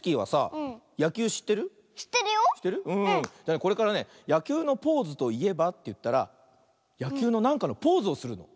これからね「やきゅうのポーズといえば？」っていったらやきゅうのなんかのポーズをするの。